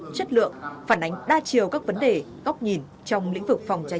chất lượng phản ánh đa chiều các vấn đề góc nhìn trong lĩnh vực phòng cháy